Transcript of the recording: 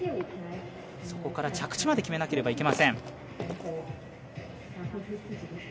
そこから着地まで決めなければいけません。